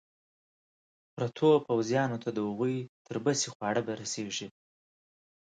پرتو پوځیانو ته د هغوی تر بسې خواړه رسېږي.